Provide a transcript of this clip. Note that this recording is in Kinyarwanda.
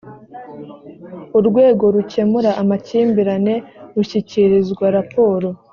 urwego rukemura amakimbirane rushyikirizwa raporo